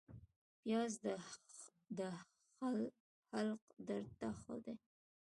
پیاز د حلق درد ته ښه دی